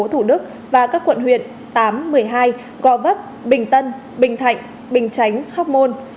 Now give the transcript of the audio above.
thủ đức và các quận huyện tám một mươi hai gò vấp bình tân bình thạnh bình chánh hóc môn